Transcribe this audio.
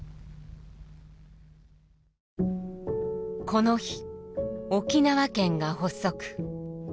この日沖縄県が発足。